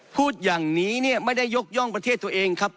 พูดอย่างนี้เนี่ยไม่ได้ยกย่องประเทศตัวเองครับ